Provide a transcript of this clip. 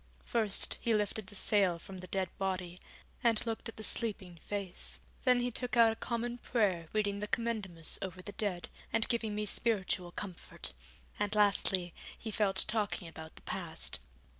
First, he lifted the sail from the dead body, and looked at the sleeping face. Then he took out a Common Prayer reading the Commendamus over the dead, and giving me spiritual comfort, and lastly, he fell to talking about the past.